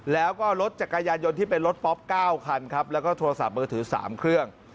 แล้วก็รถจักรยานยนต์ที่เป็นรถป๊อป๙คันครับแล้วก็โทรศัพท์มือถือ๓เครื่อง